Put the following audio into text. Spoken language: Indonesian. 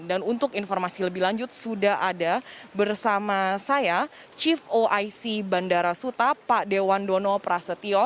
dan untuk informasi lebih lanjut sudah ada bersama saya chief oic bandara suta pak dewan dono prasetyo